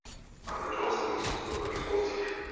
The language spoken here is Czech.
Angažoval se v místních sportovních spolcích.